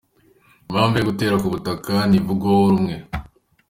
Impamvu yo kutera k’ubutaka ntivugwaho rumwe